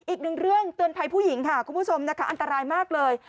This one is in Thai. อีกหนึ่งเรื่องเตือนภัยผู้หญิงค่ะคุณผู้ชมนะคะอันตรายมากเลย